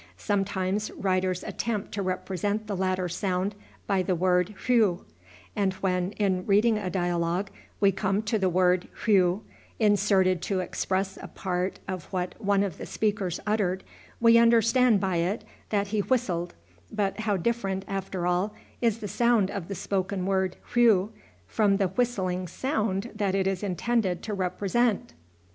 Sometimes writers attempt to represent the latter sound by the word whew; and when, in reading a dialogue, we come to the word whew, inserted to express a part of what one of the speakers uttered, we understand by it that he whistled; but how different, after all, is the sound of the spoken word whew from the whistling sound that it is intended to represent!